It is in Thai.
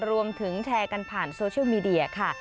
รวมถึงแชร์กันผ่านโซเชียลมีเดียค่ะ